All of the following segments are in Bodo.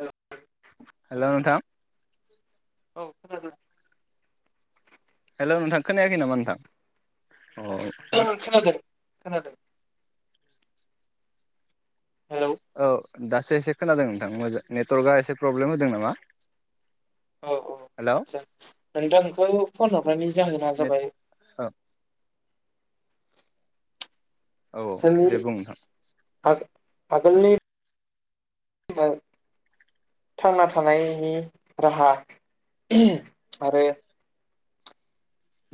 हेल' हेलौ नोंथां औ खोनादों। हेलौ नोंथां खोनायाखै नामा नोंथां? अ [unintelligible] खोनादों। खोनादों। हेलौ ओ दासो एसे खोनादों नोंथां मो नेट वर्कआ एसे प्रब्लेम होदों नामा। हेलौ आतसा नोंथांखौ फन हरनानै जाहोना नेट जाबाय औ औ जोंनि दे बुं नोंथां। आगोलनि [unintelligible] थांना थानायनि राहा [unintelligible] आरो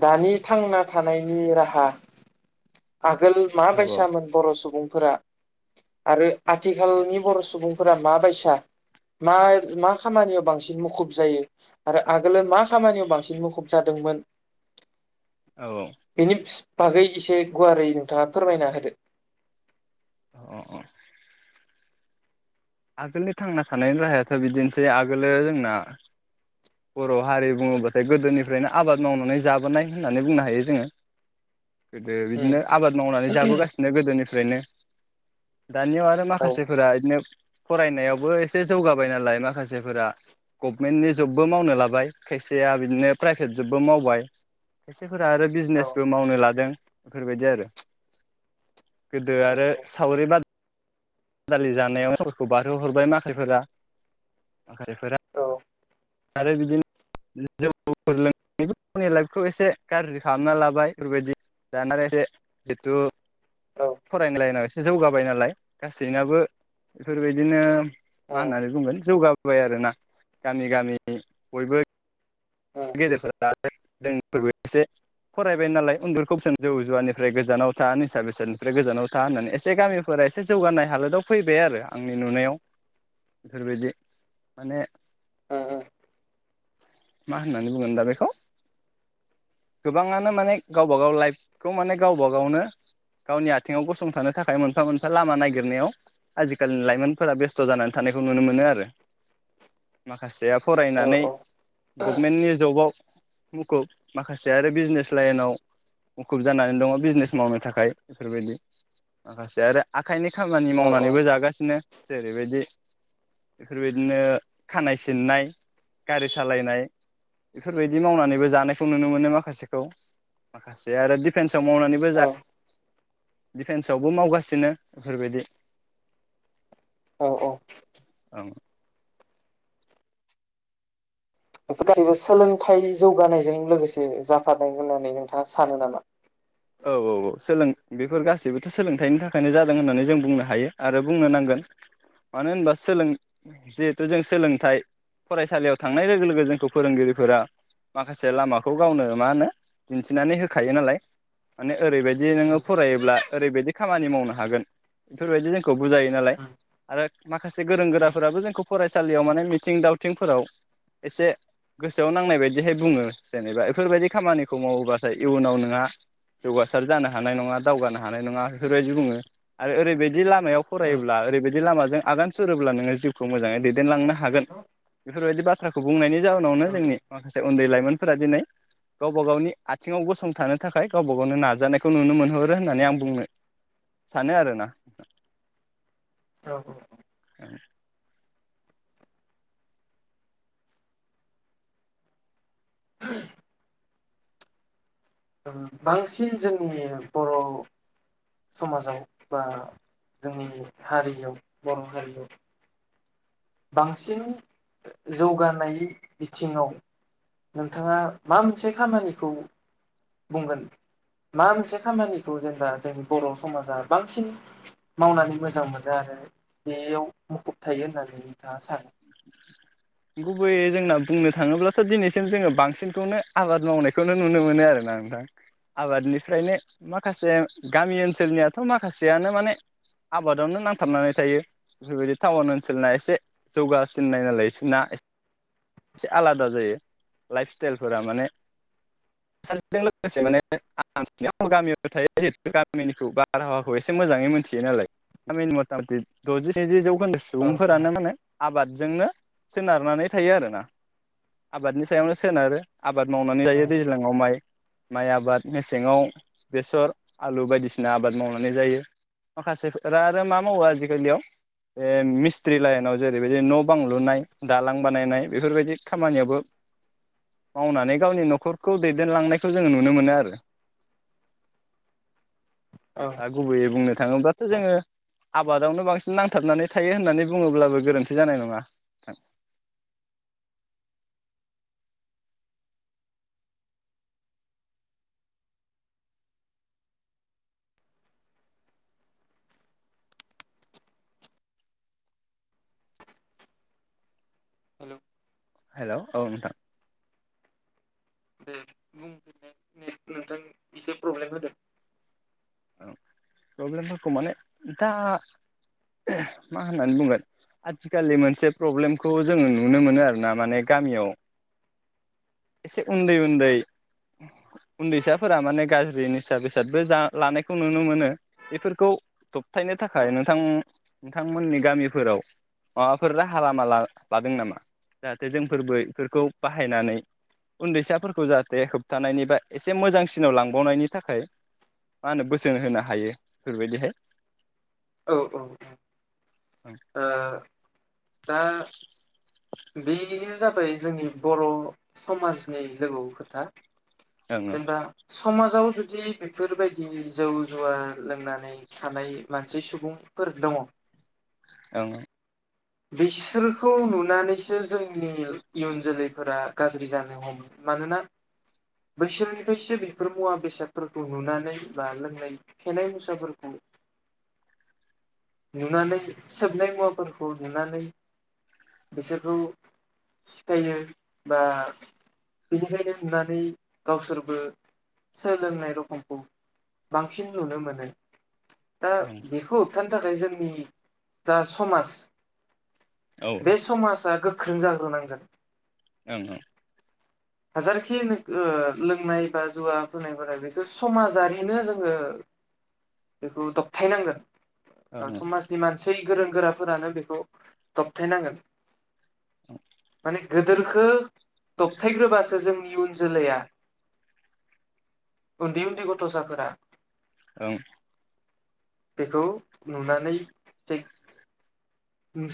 दानि थांना थानायनि राहा आगोल मा औ औ बायसामोन बर' सुबुंफोरा आरो आथिखालनि बर' सुबुंफोरा मा बायसा मा मा खामानियाव बांसिन मुखुब जायो आरो आगोलो मा खामानियाव बांसिन मुखुब जादोंमोन। औ औ बेनि बागै इसे गुवारै नोंथाङा फोरमायना होदो। अ अ आगोलनि थांना थानायनि राहायाथ' बिदिनोसै आगोलो जोंना बर' हारि बुंङोबाथाय गोदोनिफ्रायनो आबाद मावनानै जाबोनाय होननानै बुंनो हायो जोंङो। गोदो बिदिनो आबाद मावनानै जाबोगासिनो गोदोनि फ्रायनो दानियाव आरो औ माखासेफोरा इदिनो फरायनायावबो एसे जौगा बाय नालाय माखासेफोरा गबमेननि जब बो मावनो लाबाय खायसेया बिदिनो प्राइभेट जबबो मावबाय। खायफाफोरा आरो औ बिजनेसबो मावनो लादों। इफोरबायदि आरो गोदो आरो औ सावरि बादा [unintelligible] जानायाव समफोरखौ बारहोहरबाय माखासेफोरा माखासेफोरा औ आरो बिदिनो जौ लोंनानै गावनि लाइफखौ एसे गाज्रि खालामना लाबाय बेफोरबायदि दाना आरो एसे जिथु औ फरायनाय लायेनाव एसे जौगाबाय नालाय गासैनाबो बेफोरबायदिनो मा उम होननानै बुंगोन जौगा बाय आरोना गामि गामि बयबो गेदेरफोरा जोंफोरबो इसे फरायबाय नालाय उन्दुखौसोन जौ जुवानिफ्राय गोजानाव था निसा बेसादनिफ्राय गोजानाव था होननानै एसे गामिफोरा एसे जौगानाय हालोदाव फैबाय आरो आंनि नुनायाव बेफोरबायदि माने ओ ओ मा होननानै बुंगोन दा बेखौ गोबांङानो माने गावबा गाव लाइफखौ माने गावबा गावनो गावनि आथिंङाव गसंथानो थाखाय मोनफा मोनफा लामा नागिरनायाव आजिखालिनि लाइमोनफोरा बेस्थ' जानानै थानायखौ नुनो मोनो आरो माखासेया औ फरायनानै औ गभमेन्टनि जब व मुखुब माखासे आरो बिजनेस लाइनाव मुखुब जानानै दंङ बिजनेस मावनो थाखाय बेफोरबायदि माखासे आरो आ खायनो खामानि मावनानैबो औ जागासिनो। जेरैबायदि बेफोरबायदिनो खानाय सिननाय गारि सालायनाय इफोरबायदि मावनानैबो जानायखौ नुनो मोनो माखासेखौ माखासे आरो दिफेन्स आव मावनानैबो औ जा दिफेन्सआवबो मावगासिनो इफोरबायदि औ बेफोर गासैबो सोलोंथाइ जौगानायजों लोगोसे जाफानाय होननानै नोंथांङा सानो नामा? औ औ औ सोलों बेफोर गासैबोथ' सोलोंथाइनि थाखायनो जादों होननानै जों बुंनो हायो आरो बुंनो नांगोन मानो होनबा सोलों जिहेथु जों सोलोंथाइ फरायसालियाव थांनाय लोगो लोगो जोंखौ फोरोंगिरिफोरा माखासे लामाखौ गावनो मा होनो दिन्थिनानै होखायो नालाय। माने ओरैबायदि नोंङो फरायोब्ला ओरैबायदि खामानि मावनो हागोन बेफोरबायदि जोंखौ बुजायो नालाय आरो माखासे गोरों गोराफोराबो जोंखौ फरायसालियाव माने मिथिं दावथिंफोराव एसे गोसोआव नांनाय बायदिहाय बुंङो जेनेबा बेफोरबायदि खामानिखौ मावोबाथाय इयुनाव नोंहा जौगासार जानो हानाय नङा दावगानो हानाय नङा इफोरबायदि बुङो आरो ओरैबायदि लामायाव औ फरायोब्ला ओरैबायदि लामाजों आगान सुरोब्ला नोंङो जिउखौ मोजाङै दैदेनलांनो हागोन इफोरबायदि बाथ्राखौ बुंनायनि जाउनावनो औ जोंनि माखासे उन्दै लाइमोनफोरा दिनै गावबा गावनि आथिंङाव गसंथानो थाखाय गावबा गावनो नाजानायखौ नुनो मोनहरो होननानै आं बुंनो सानो आरोना। औ ओम ओ बांसिन जोंनि बर' समाजाव बा जोंनि हारियाव बर' हारियाव बांसिन जौगानाय बिथिंङाव नोंथांङा मा मोनसे खामानिखौ बुंगोन मा मोनसे खामानिखौ जेनेबा जोंनि बर' समाजा बांसिन मावनानै मोजां मोनो आरो बेयाव मुखुब थायो होननानै। नोंथाङा सानो? गुबैयै जोंना बुंनो थाङोब्लाथ' दिनैसिम जोङो बांसिनखौनो आबाद मावनायखौनो नुनो मोनो आरोना नोंथां आबादनिफ्रायनो माखासे गामि ओनसोलनियाथ' माखासेयानो माने आबादावनो नांथाबनानै थायो बेफोरबायदि टाउन ओनसोलना एसे जौगासिननाय नालाय इसोनना एसे आलादा जायो लाइफ स्टेइल फोरा माने [unintelligible] माने गामियाव नो थायोगामिनिखौ बारहावा खौ मोजाङै मिथियो नालाय [unintelligible] दजि सिनि जौखोन्दो [unintelligible] औ सुबुंफोरानो माने आबादजोंनो सोनारनानै थायो आरोना आबादनि सायावनो सोनारो आबाद मावनानै औ जायो दैज्लाङाव माइ माइ आबाद मेसेङाव बेसर आलु बायदिसिना आबाद मावनानै जायो माखासेफोरा आरो मा मावो आजिकालियाव बे मिस्ट्रि लाइनाव जेरैबायदि न' बांलुनाय दालां बानायनाय बेफोरबायदि खामानियावबो मावनानै गावनि न'खरखौ दैदेनलांनायखौ जोंङो नुनो मोनो आरो औ दा गुबैयै बुंनो थाङोब्लाथ' जोङो आबादावनो बांसिन नांथाबनानै थायो होननानै बुङोब्लाबो गोरोन्थि जानाय नङा नोंथां हेलौ हेलौ औ नोंथां दे बुं [unintelligible] एसे प्रब्लेम होदो औ प्रब्लेमफोरखौ माने [unintelligible] दा मा होननानै बुंगोन आथिखालनि मोनसे प्रब्लेमखौ जोङो नुनो मोनो आरोना माने गामियाव एसे उन्दै उन्दै उन्दैसाफोरा माने गाज्रि निसा बेसादबो जा लानायखौ नुनो मोनो इफोरखौ दबथायनो औ थाखाय नोंथां नोंथांमोननि गामिफोराव माबाफोर राहा लामा लादों नामा जाहाथे जोंफोरबो इफोरखौ बाहायनानै उन्दैसाफोरखौ जाहाथे होबथानायनिफाय एसे मोजांसिनाव लांबावनायनि थाखाय मा होनो बोसोन होनो हायो बेफोरबायदिहाय औ औ औ ओ दा बे जाबाय जोंनि बर' समाजनि लोगौ खोथा ओं जेनबा सु समाजाव जुदि बेफोरबायदि जौ जुवा लोंनानै थानाय मानसि सुबुंफोर दङ' [unintelligible] बिसोरखौ नुनानैसो जोंनि इयुन जोलैफोरा गाज्रि जानो हमो मानोना बैसोरनिफ्रायसो बेफोर मुवा बेसादफोरखौ नुनानै बा लोंनाय फेनाय मुसाफोरखौ नुनानै सोबनाय मुवाफोर खौ नुनानै बिसोरखौ सिखायो बा बेनिखायनो नुनानै गावसोरबो सोलोंनाय रखमखौ बांसिन नुनो मोनो। दा ओं बिखौ होबथानो थाखाय जोंनि जा समाज औ बे समाजा गोग ख्रों जाग्रोनांगोन ओं ओं हाजारखिनो ओ लोंनाय बा जुवा फोनायफोरा बेखौ समाजारिनो जोङो बेखौ दबथायनांगोन ओं ओ समाजनि मानसै गोरों गोराफोरानो बेखौ दबथायनांगोन औ माने गोदोरखो दब थायग्रोबासो जोंनि इउन जोलैया उन्दै उन्दै गथ'साफोरा ओं बेखौ नुनानै थेग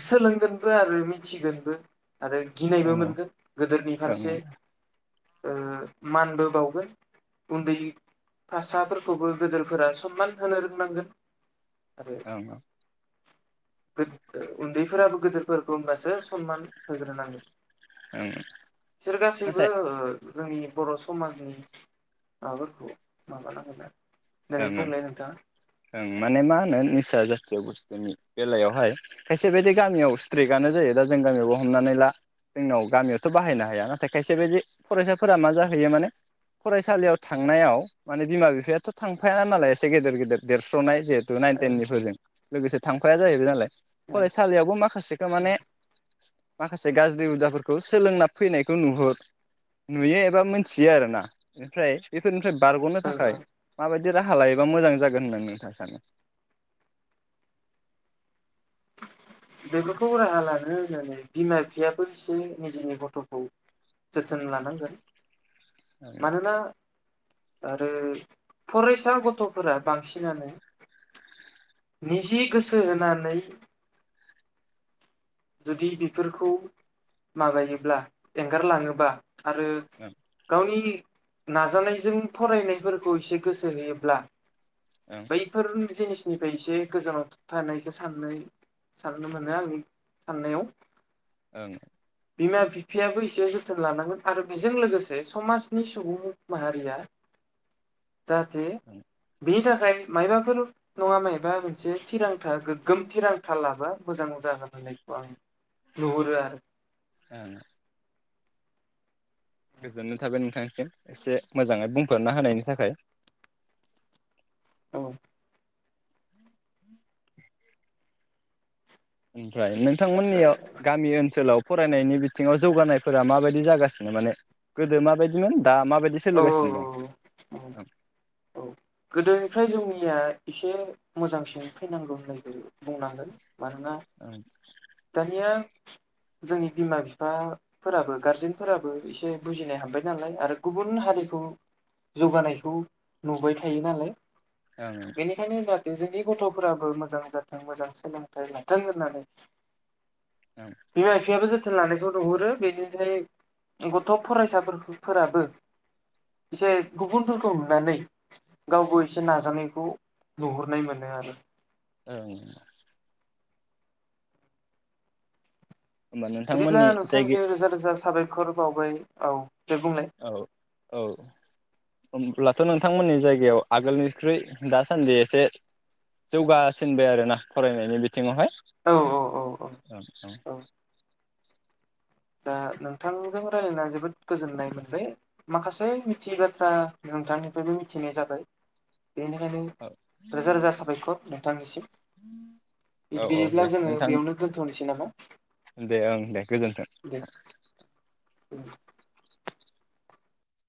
सोलोंगोनबो आरो मिथिगोनबो आरो गिनायबो मोनगोन गोदोरनि ओं ओं फारसे ओ मानबो बावगोन उन्दै फासाफोरखौबो गोदोरफोरा सनमान होनो रोंनांगोन औ गोद उन्दैफोराबो गोदोरफोरखौ होमबासो सनमान होग्रोनांगोन। बिसोर गासैबो ओ जोंनि बर' समाजनि माबाफोरखौ माबानांगोन आरो देनाय ओं ओं बुंलाय नोंथाङा ओं माने मा होनो निसा जाथियाव बुस्थ जोंनि बेलायावहाय खायसे बायदि गामियाव स्ट्रिकआनो जायो दा जों गामियावबो हमनानै ला जोंनाव गामियावथ' बाहायनो हाया नाथाय खायसे बायदि फरायसाफोरा मा जाहैयो माने फरायसालियाव थांनायाव माने बिमा बिफायाथ' थांफायाना नालाय एसे गेदेर गेदेर देरस्र'नाय [unintelligible] टु नाइन ओ टेननि फोरजों। लोगोसे थांफाया जाहैबाय नालाय ओ फरायसालियावबो माखासेखौ ओ माने माखासे गाज्रि हुदाफोरखौ सोलोंना फैनायखौ नुहुर नुयो एबा मोनथियो आरोना ओमफ्राय बेफोरनिफ्राय बारग'नो औ थाखाय औ माबायदि राहा लायोबा मोजां जागोन होनना नोंथाङा सानो? बेफोरखौ राहा लानो होननानै बिमा बिफायाबो एसे निजेनि गथ'खौ जोथोन लानांगोन सानो मानोना आरो फरायसा गथ'फोरा बांसिनानो निजि गोसो होनानै जुदि बेफोरखौ माबायोब्ला एंगारलाङोबा आरो गावनि नाजानायजों फरायनायफोरखौ एसे गोसो होयोब्ला ओं बैफोर जिनिस निफ्राय एसे गोजानाव थानायखौ साननो साननो मोनो आंनि साननायाव। ओं बिमा बिफायाबो एसे जोथोन लानांगोन आरो बेजों लोगोसे समाजनि सुबुं माहारिया जाहाथे ओं बिनिथा खाय मायबाफोर नङा मायबा मोनसे थिरांथा गोग्गोम थिरांथा लाबा मोजां जागोन होननाय [unintelligible] नुहुरो आरो ओं गोजोननाय थाबाय नोंथांसिम एसे मोजाङै बुंफोरना होनायनि थाखाय। औ ओमफ्राय नों थांमोननियाव गामि ओनसोलाव फरायनायनि बिथिङाव जौगानायफोरा माबायदि जागासिनो माने गोदो माबायदिमोन दा माबायदि औ सोलिगासिनो दं औ औ गोदोनिफ्राय जोंनिया एसे मोजांसिन फैनांगौ होननायखौ बुंनांगोन मानोना ओं दानिया जोंनि बिमा बिफाफोराबो गारजेनफोराबो एसे बुजिनाय हाबबाय नालाय आरो गुबुन हारिखौ जौगानायखौ नुबाय थायो नालाय ओं बेनिखायनो जा जुदि गथ'फोराबो मोजां जाथों मोजां सोलोंथाइ लाथों होननानै ओं बिमा बिफायाबो जो जोथोन लानायखौ नुहुरो बेनिफ्राय गथ' फरायसाफोरखो फोराबो एसे गुबुनफोरखौ नुनानै गावबो एसे नाजानायखौ नुहुरनाय मोनो आरो। औ होमबा बिदिब्ला नोंथांमोननि जायगा नोंथांनिफ्राय रोजा रोजा साबायख खर बावबाय औ। दे बुंलाय औ औ होमब्लाथ' नोंथांमोननि जायगायाव आगोलनिख्रुइ दासान्दि एसे जौगासिनबाय आरो ना फरायनायनि बिथिंङावहाय। औ औ औ औ औ दा नोंथांजों रायज्लायना जोबोद गोजोननाय मोनबाय। माखासे मिथियै बाथ्रा नोंथांनिफ्रायबो मिथिनाय जाबाय। बेनिखायनो औ रोजा रोजा साबायखर नोंथांनिसिम औ इद औ दे बिदिब्ला जोङो नोंथां बेयावनो दोनथ'नोसै नामा? [inaudible] दे ओं दे गोजोन्थों। औ ओं